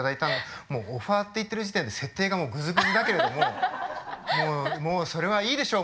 もうオファーって言ってる時点で設定がグズグズだけれどももうもうそれはいいでしょう。